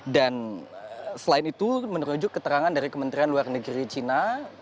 dan selain itu menurut juga keterangan dari kementerian luar negeri cina